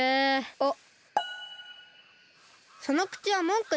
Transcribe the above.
あっ！